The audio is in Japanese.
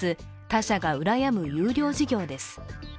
他社がうらやむ優良事業です。